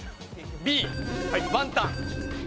Ｂワンタン。